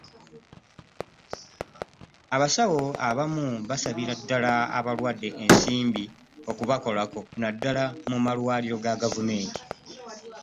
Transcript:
abasawo abamu basabira ddala abalwadde ensimbi okubakolako naddala mu malwaliro ga gavumenti.